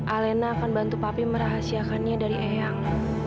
alena akan bantu papi merahasiakannya dari eyang